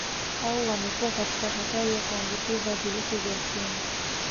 Au wamekuwa katika hatari ya kuambukizwa virusi vya Ukimwi